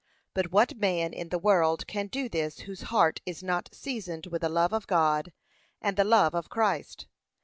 But what man in the world can do this whose heart is not seasoned with the love of God and the love of Christ?